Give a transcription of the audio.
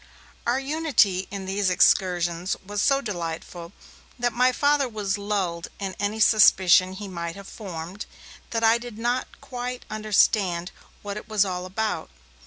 Our unity in these excursions was so delightful, that my Father was lulled in any suspicion he might have formed that I did not quite understand what it was all about.